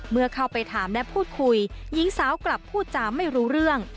เมื่อเข้าไปถามและพูดคุยหญิงสาวกลับพูดจาไม่รู้เรื่อง